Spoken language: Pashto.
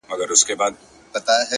ه تا ويل اور نه پرېږدو تنور نه پرېږدو،